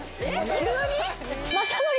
急に？